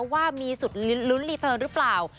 ว่ามีสุดลุ้นรีเฟิร์นหรือเปล่า